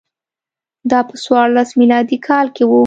دا په څوارلس میلادي کال کې و